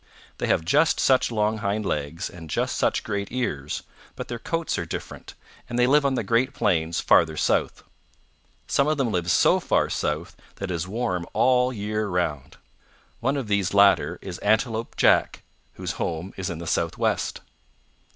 "They have just such long hind legs, and just such great ears, but their coats are different, and they live on the great plains farther south. Some of them live so far south that it is warm all the year round. One of these latter is Antelope Jack, whose home is in the Southwest."